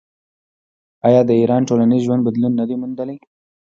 آیا د ایران ټولنیز ژوند بدلون نه دی موندلی؟